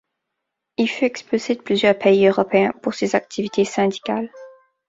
Il fut expulsé de plusieurs pays européens pour ses activités syndicales.